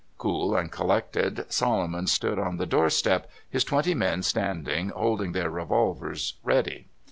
Cool and collected, Solomon stood on the door step, his twenty men standing holding their revolv ers ready.